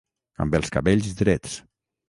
Amb els cabells drets.